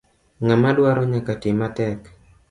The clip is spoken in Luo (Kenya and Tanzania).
Ng'ama dwaro nyaka ti matek.